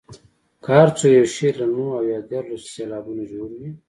که هر څو یو شعر له نهو او دیارلسو سېلابونو جوړ وي.